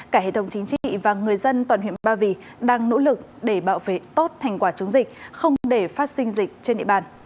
cả hệ thống chính trị và người dân toàn huyện ba vì đang nỗ lực để bảo vệ tốt thành quả chống dịch không để phát sinh dịch trên địa bàn